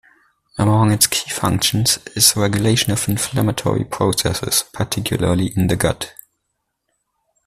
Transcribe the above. Among its key functions is regulation of inflammatory processes, particularly in the gut.